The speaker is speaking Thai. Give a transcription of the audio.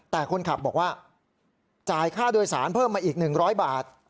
แต่คนขับบอกว่าจ่ายค่าโดยสารเพิ่มมาอีก๑๐๐บาท